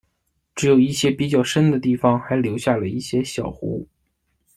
只有一些比较深的地方还留下了一些小湖。